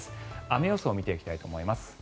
雨予想を見ていきたいと思います。